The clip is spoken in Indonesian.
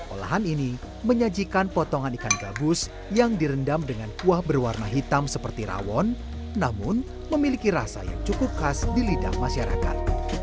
olahan ini menyajikan potongan ikan gabus yang direndam dengan kuah berwarna hitam seperti rawon namun memiliki rasa yang cukup khas di lidah masyarakat